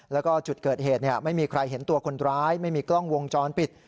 แล้วก็จุดเกิดเหตุไม่มีใครเห็นตัวคนร้ายไม่มีกล้องวงจรปิด